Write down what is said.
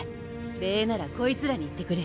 礼ならこいつらに言ってくれ。